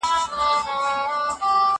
ما د سبا لپاره د لغتونو زده کړه کړې ده!.